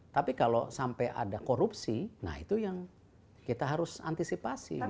tapi kalau sampai ada korupsi nah itu yang kita harus antisipasi